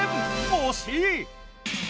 惜しい！